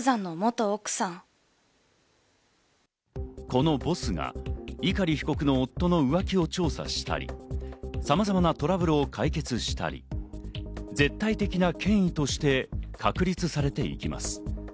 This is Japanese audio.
このボスが、碇被告の夫の浮気を調査したり、さまざまなトラブルを解決したり、絶対的な権威として確立されていきます。